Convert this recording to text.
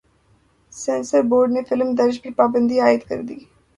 censor board نے فلم درج پر پابندی عائد کر دی